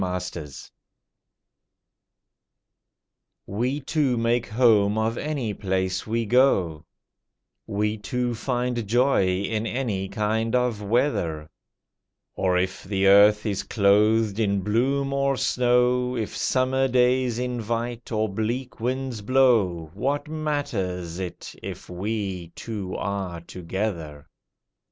WE TWO We two make home of any place we go; We two find joy in any kind of weather; Or if the earth is clothed in bloom or snow, If summer days invite, or bleak winds blow, What matters it if we two are together?